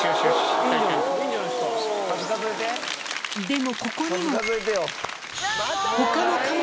でもここにも。